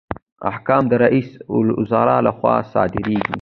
احکام د رئیس الوزرا لخوا صادریږي